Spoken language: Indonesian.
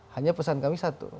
hanya pesan kami satu